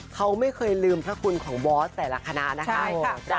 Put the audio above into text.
เขาไม่เคยลืมพระคุณของบอสแต่ละคณะนะคะ